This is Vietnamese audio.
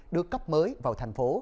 được cấp mới vào thành phố